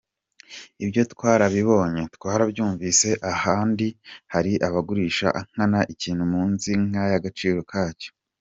Ibyo twarabibonye, twarabyumvise ahandi, hari abagurisha nkana ikintu munsi y’agaciro kacyo.